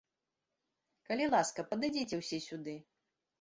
Калі ласка, падыдзіце ўсе сюды!